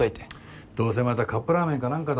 どうせまたカップラーメンか何かだろ。